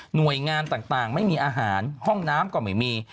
หน่วยงานต่างไม่มีอาหารห้องน้ำก็ไม่มี